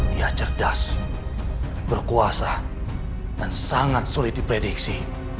dia cerdas berkuasa dan sangat sulit diprediksi